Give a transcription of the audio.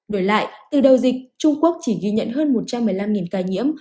đổi lại từ đầu dịch trung quốc chỉ ghi nhận hơn một trăm một mươi năm ca nhiễm